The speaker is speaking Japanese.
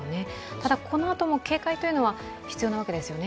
ただ、このあとも警戒というのは必要なわけですよね。